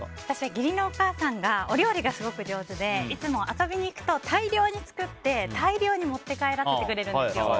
私は義理のお母さんがお料理がすごく上手でいつも遊びに行くと大量に作って大量に持って帰らせてくれるんですよ。